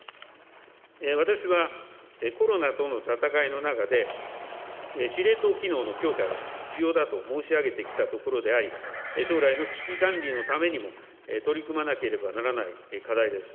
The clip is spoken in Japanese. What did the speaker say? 私はコロナとの闘いの中で、司令塔機能の強化が必要だと申し上げてきたところであり、将来の危機管理のためにも、取り組まなければならない課題です。